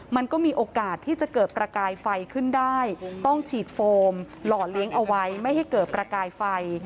มันก็มีโอกาสที่จะเกิดประกายไฟขึ้นได้ต้องฉีดโฟมหล่อเลี้ยงเอาไว้ไม่ให้เกิดประกายไฟ